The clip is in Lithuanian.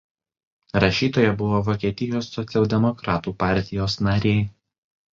Rašytoja buvo Vokietijos socialdemokratų partijos narė.